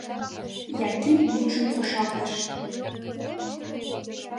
Яким мутшым кошартыш.